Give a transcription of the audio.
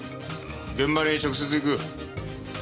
現場に直接行く。